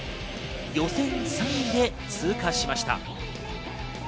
予選３位で通過しました。